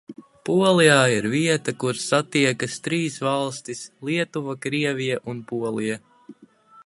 Polijā ir vieta, kur satiekas trīs valstis - Lietuva, Krievija un Polija.